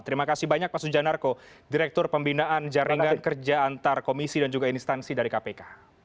terima kasih banyak pak sujanarko direktur pembinaan jaringan kerja antar komisi dan juga instansi dari kpk